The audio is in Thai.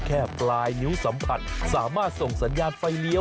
แค่ปลายนิ้วสัมผัสสามารถส่งสัญญาณไฟเลี้ยว